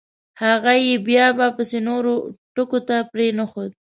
هغه یې بیا به … پسې نورو ټکو ته پرېنښود.